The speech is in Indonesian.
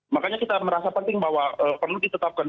makanya kita merasa penting bahwa perlu ditetapkan